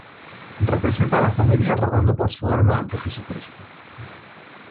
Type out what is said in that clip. Representa a la familia rogando por su alma ante Jesucristo.